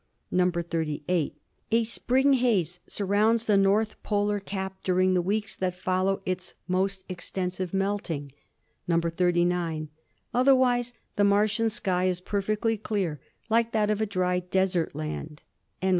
"(38) A spring haze surrounds the north polar cap dur ing the weeks that follow its most extensive melting. "(39) Otherwise the Martian sky is perfectly clear, like that of a dry and desert land."